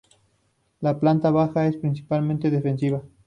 La planta baja es principalmente defensiva.